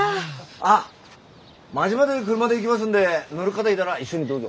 あっ町まで車で行きますんで乗る方いたら一緒にどうぞ。